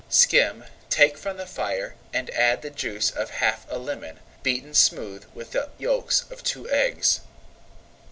Skim, take from the fire, and add the juice of half a lemon, beaten smooth with the yolks of two eggs.